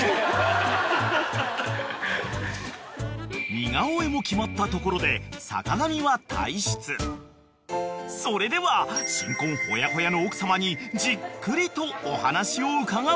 ［似顔絵も決まったところで］［それでは新婚ほやほやの奥様にじっくりとお話を伺おう］